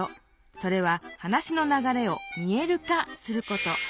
それは話の流れを「見える化」すること。